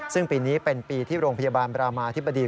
ซึ่งปีนี้เป็นปีที่โรงพยาบาลบรามาธิบดี